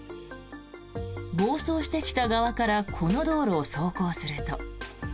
暴走してきた側からこの道路を走行すると。